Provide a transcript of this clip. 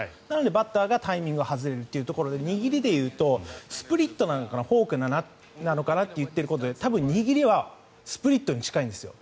なので、バッターがタイミングが外れるというところで握りでいうとスプリットなのかなフォークなのかなと言っているということで多分、握りはスプリットに近いんです。